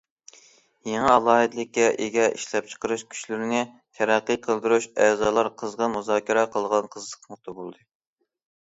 يېڭى ئالاھىدىلىككە ئىگە ئىشلەپچىقىرىش كۈچلىرىنى تەرەققىي قىلدۇرۇش ئەزالار قىزغىن مۇزاكىرە قىلىدىغان قىزىق نۇقتا بولدى.